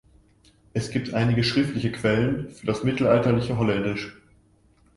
Es gibt einige schriftliche Quellen für das mittelalterliche Holländisch.